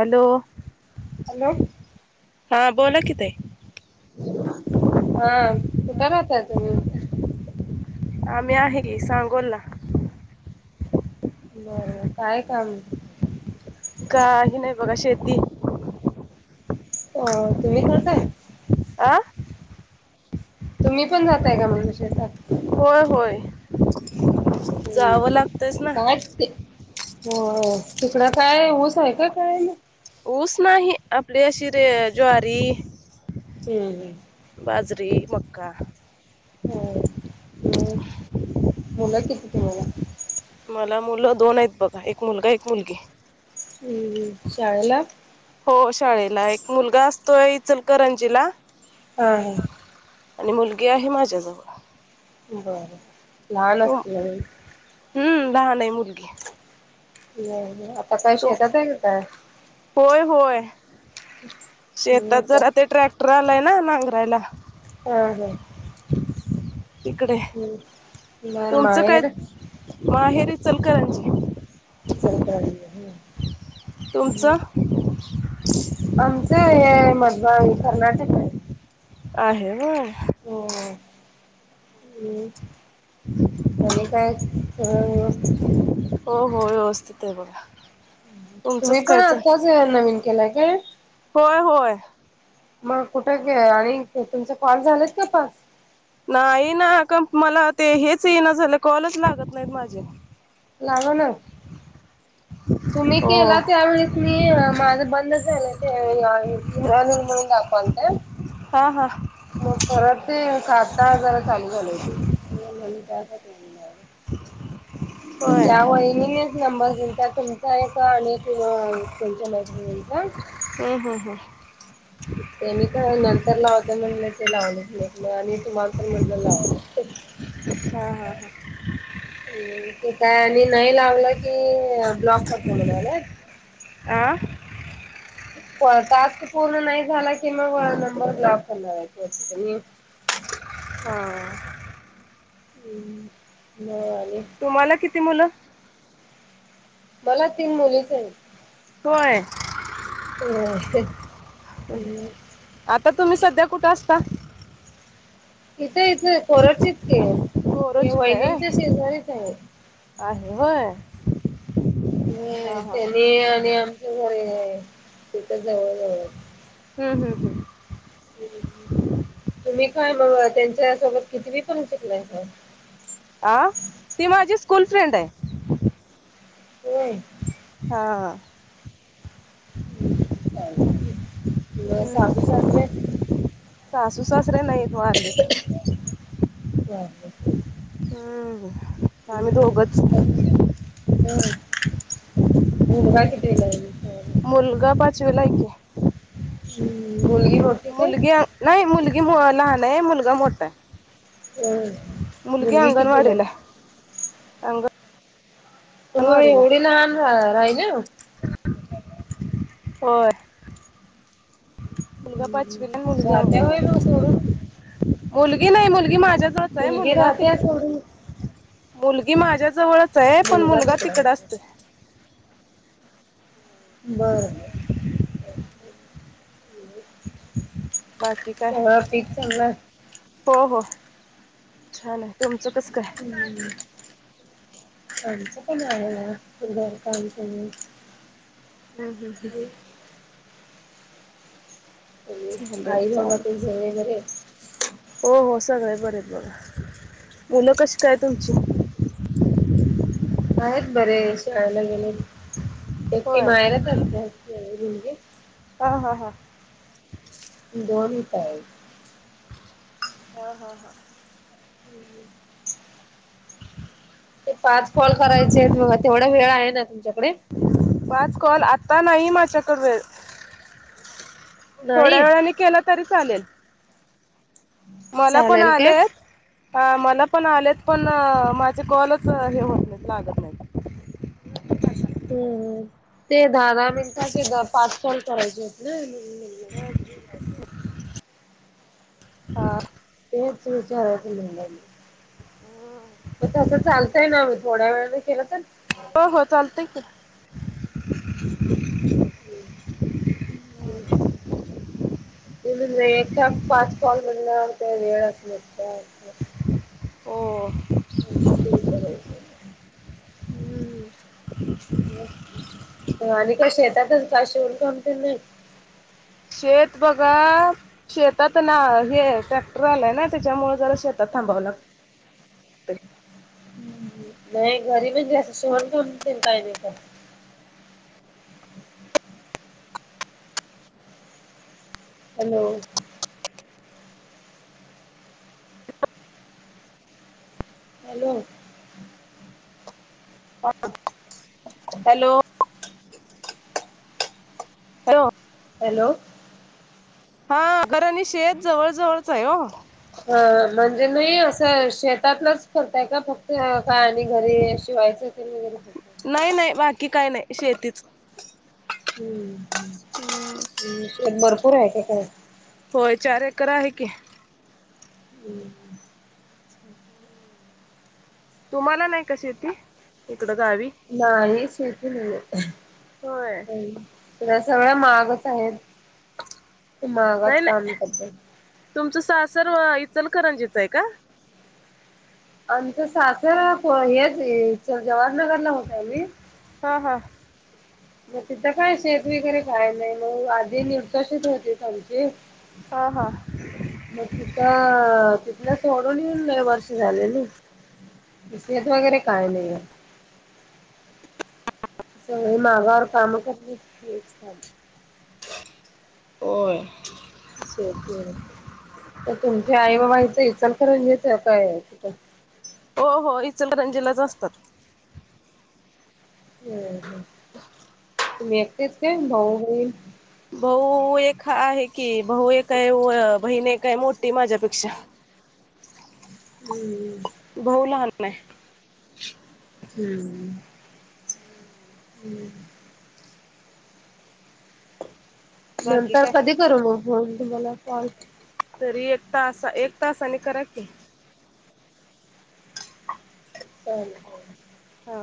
Hello hello. हा. बोला कि ताई. हा. कुठं राहताय तुम्ही? आम्ही आहे की सांगोलला. बर बर काय काम? काही नाही बघा. शेती. अ तुम्ही करताय? आ. तुम्ही पण जाताय का म्हणलं शेेतात? होय होय. हम्म जावावं लागतंयच ना. होय होय. तिकडं काय ऊस आहे का करायला? ऊस नाही. आपली अशी रे ज्वारी, हम्म हम्. बाजरी, मक्का, हम्म. मग मुलं किती तुम्हाला? मला मुलं दोन आहेत बघा. एक मुलगा, एक मुलगी. हम्म हम्. शाळेला? हो शाळेला. एक मुलगा असतोय इचलकरंजीला. हा हा. आणि मुलगी आहे माझ्याजवळ. बरं लहान तू असतील अजुन. हम्म लहान आहे मुलगी. व्हय व्हय. आता काय तू शेतात आहे का काय? होय होय. हम्म शेतात का जरा ते ट्रॅक्टर आलाय ना नांगरायला हा हा. तिकडे. हम्म. तुमचं काय माहेर माहेर इचलकरंजी इचलकरंजी हम्म हम्. तुमचं आमच हे मधबांग कर्नाटक हाय. आहे होय. होय. हम्म आणि काय सगळं व्यवस्थित? हो हो व्यवस्थित आहे बघा. तुम्ही तुमचंच पण कायच आत्ताच नवीन केलाय काय? होय होय. मग कुठं घे आणि तुमचा कॉल झालेत का पाच? नाही ना. कंप मला ते हेच येईना झाले. कॉलच लागत नाहीत माझे. लावा ना. तुम्ही हो केला त्यावेळेस मी माझं बंद झालं ते अनवैलेबल दाखवालत. हा का. हा हा. मग परत ते आता जरा चालू झालय ते. म्हणून मला टास्कच नाही आले. होय त्यामुळे वहिनीनेच नंबर दिलता तुम चा आणि तुम तुमच्या मैत्रिणींचा. हम्म हम्म हम्म. तेनी का नंतर लावतो म्हणलं ते लावलच नाही आणि तुम्हाला पण म्हणलं लावाव. हा हा. ते काय आणि नाही लावला की ब्लॉक करतो म्हणायलेत. आं? टास्क पूर्ण नाही झाला की मग नंबर ब्लॉक करणार आहे. हा. हम्म मग आणि? तुम्हाला किती मुलं? मला तीन मुलीच आहेत. होय. हो. आता तुम्ही सध्या कुठं असता? इथं इथ कोरुचीत की बोरोचित आहे वहिनींच्या होय शेजारीच आहे. आहे होय. होय. हा हा त्यानी आणि आमच घर आहे तिथं जवळ जवळ. हम्म हम्म हम्म. तुम्ही काय मग त्यांच्या सोबत कितवी पर्यंत शिकलाय? आ? ती माझी स्कूल फ्रेंड आहे. होय. हा. [unintelligible] हम्म सासु सासरे? सासू सासरे नाहीत वारलेत. [unintelligible] हम्म. आम्ही दोघंच. होय. मूलगा कितवीला आहे? मुलगा पाचविला आहे की. हम्म मुलगी? मोठी काय? मुलगी नाही मुलगी लहान आहे मुलगा मोठा आहे. होय. मुलगी कितवीला आहे? होय. अंगणवाडीला एवढी लहान रा-राहिल्या? होय. मुलगा हम्म. पाचवीला आहे. मुलगी राहत्या होय मग अंगणवाडीत सोडून? आहे. मुलगी नाही मुलगी माझ्या जवळच आहे. मुलगी मुलगा ती राहत्या सोडून? मुलगी माझ्या जवळच आहे, पण मुलगा तिकडं आहे. तिकड असतोय. बर बर. बाकी काय? पीक चांगलं आहे? हो हो. छान आहे. तुमचं कसं काय? हम्म. आमचं पण आहेत घरकाम [unintelligible] हम् हम् हम् चालेल आई बाबा चालेल तुझ्या [unintelligible] हो हो सगळे बरे हायत बघा. मुलं कशी काय तुमची? आहेत बरी आहेत. शाळेला गेल्यात. एकटी होय माहेरात असते. [unintelligible] हा हां हां. [unintelligible] आहेत. हा हा हा. हुं हुं. [inaudible] ते पाच कॉल करायचेत बघा तेवढा वेळ आहे ना तुमच्याकडे? पाच कॉल आता नाही माझ्याकडं वेळ. नाही थोड्या वेळाने केलं तरी चालेल. मला पण चालेल काय आलेत. हा मला पण आलेत पण अ माझे कॉलच हे होत नाईत लागत नाईत. हम् हम ते दहा दहा मिनिटाचे ग पाच कॉल करायचेत ना म्हणून म्हंटलं. [inaudible] हा. तेच विचारायचं म्हणलं मी. म तसं चालतंय ना म थोड्या वेळाने केलं तर हो हो चालतंय की. [inaudible] [inaudible] मी म्हणलं एकदाच पाच कॉल म्हणलं त वेळच नसतोय. ओ ओ. हं असं विचारयचं. मग आणि काय शेतातच काय शिवण काम तेन नई. शेत बघा. शेतात ना हे ट्रॅक्टर आलाय ना त्याच्यामुळं जरा शेतात थांबावं लाग नाई घरी म्हणजे असं शीवण काम पण काय नाय का? Hello. Hello. Hello. Hello. Hello. हा घर अणी शेत जवळ जवळचाय ओ. हा म्हणजे नई असं शेतातलंच फोडताय काय फक्त काय. आणि घरी शिवायचं ते न वगैरे. नाय नाय बाकी काय नाय शेतीच. हम्म हम्म म शेत भरपूर हाय का काय? होय चार एकर आहे की. हम. ऊम्म. तुम्हाला नाय का शेती इकडं गावी? नाही शेती नईये. होय. -कडे सगळं मागंच आहेत ते मागात नाही नाही काम करत्यात. तुमचं सासर अं इचलकरंजीचंय का? आमचं सासर प हेचे जवाहरनगरला होतं आम्ही. हा हां. म तिथं काय शेत वगैरे काय नाय मंग आधी [unintelligible] होतीत आमची. ह हां म तिथं तिथलं सोडून यीऊन लय वर्ष झाले नई. म शेत वगैरे काय नाईये. सगळी मागावर काम कर [unintelligible] ओय [unintelligible] तर तुमच्या आई बाबा हिचं इचलकरंजीत काय आहे तिथं हो हो इचलकरंजीला असतात. वय म. [unintelligible] तुम्ही एकटेच का भाऊ बहीण? भाऊ एक हा आहे की भाऊ एक आहे वय बहीण एक हाय मोठी माझ्यापेक्षा हम्म. हम्म. भाऊ लहान आहे. हम्म. [unintelligible] बाकी नंतर काय कधी करू मग फोन तुम्हाला कॉल? तरी एक तासा एक तासाने करा की. चालेल होय. हा.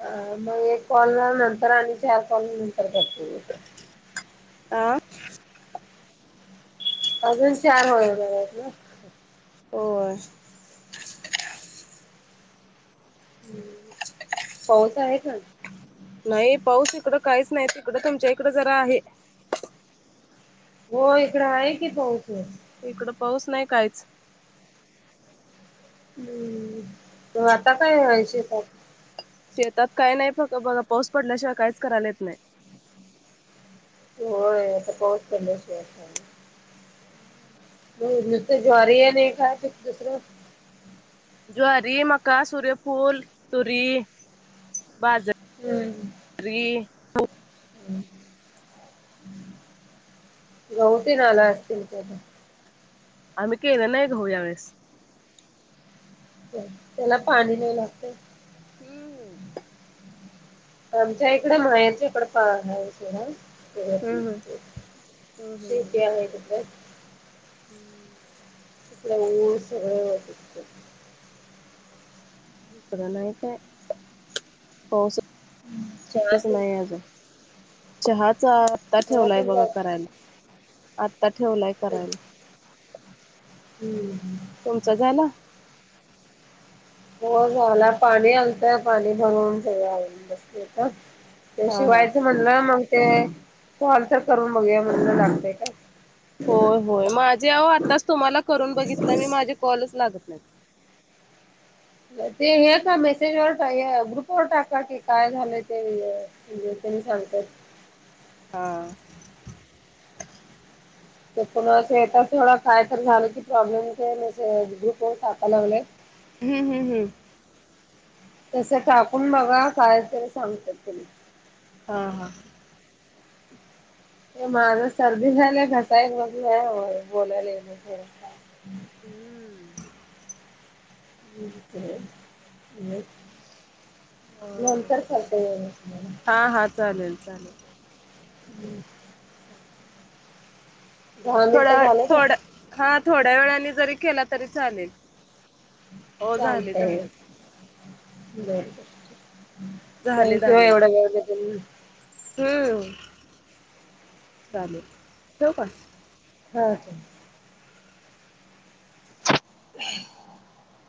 हा मग एक कॉल न नंतर आणि चार कॉल नंतर करते. आं अजून चार [unintelligible] आहेत ना. होय. पाऊस आहे का? नाही पाऊस इकडं काहीच नाही तिकडं तुमच्या इकडं जरा आहे. होय इकडं आहे की पाऊसं. इकडं पाऊस नाही काहीच. हम्म तर आता काय हाय शेतात? शेतात काय नाही फ बघा पाऊस पडल्याशिवाय काहीच करायलाेत नाही. होय आता पाऊस पडल्या शिवाय. [inaudible] हो नुसतं ज्वारी आणि एक हाय तेत दुसरं. ज्वारी, मका, सूर्यफूल तुरी, बाज हम्म. री गौ तेन आला असतील त्या म. आम्ही केळं नाही घेऊ या वेळेस. त्याला पाणी नाही लागते. हम्म हम्म. आमच्या इकडे मायाचा इकडे. [unintelligible] चला ठीक हम्म आहे हम्म हम्म शेत्या वय तिथं. हम्म. तिकडं मंग सगळं. [unintelligible] इकडं नाय काय पाऊसं चहा इथेच तेन नाय आहे अजून चहाचा आ ता ठेवलाय सगळ्यातच बघा करायला आता ठेवलाय जात करायला. हम्म हम्म. तुमचा झालं? हो झाला पाणी आलतय पाणी भरवून सगळं आले बसते आता. ते हा हा. शिवायचं म्हणलं मंग ते कॉल तर करून बघूया म्हणलं लागतय काय. हो होय माझे अहो आत्ताच तुम्हाला करून बघितलं मी माझे कॉलच लागत नाही. ते हे का मेसेज वर टा ग्रुप वर टाका की काय झालं ते. [unintelligible] मी सांगत. हां. [unintelligible] काय तर झालं की प्रॉब्लेम ग्रुप वर टाकाय लागले. हम्म हम् हम्. तस टाकून बघा काय तरी सांगतात तुम्ही. हा हां. ये माझं सर्दी झालं घसा एक बसलाय होय बोलायला येईना झालंय. हमम. म. [inaudible] होय. नंतर करते वेळ भेटल्यावर. हा हा चालेल चालेल. हम्म. थोड्या मिनिटं झाले का थोड्या हा थोड्या वेळानी जरी केला तरी चालेल. हो झाले चालतंय झाले बर बर. झाले थँक्यू दहा हा एवढं मिनट वेळ दिल्याबद्दल. हम्म चालेल ठेवु का. हा. [inaudible]